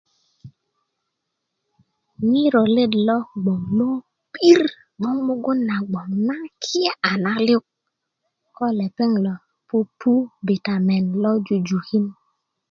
ŋiro let lo 'boŋ lopirŕ 'boŋ mogun na 'boŋ na kiyeé a na liyuḱ ko lopeŋ lo pupu bitamin lo jujukin